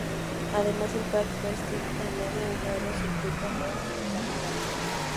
Además, el pack Prestige añade un nuevo circuito, Mount Panorama.